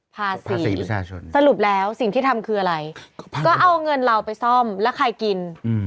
ภาษีประชาชนสรุปแล้วสิ่งที่ทำคืออะไรก็เอาเงินเราไปซ่อมแล้วใครกิน